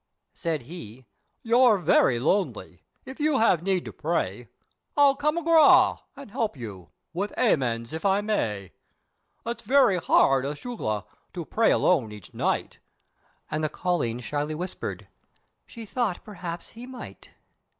Said he "You're very lonely: If you have need to pray, I'll come agrah! and help you, with 'Amens' if I may, It's very hard acushla! to pray alone each night," And the colleen shyly answered, "She thought perhaps he might."